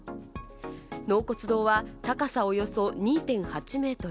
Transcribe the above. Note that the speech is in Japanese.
納骨堂は高さおよそ２．８ｍ。